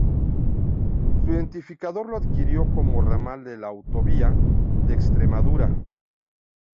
Su identificador lo adquirió como ramal de la Autovía de Extremadura.